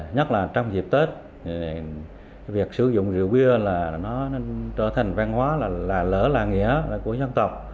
nhất là trong dịp tết việc sử dụng rượu bia là nó trở thành văn hóa là lỡ là nghĩa của dân tộc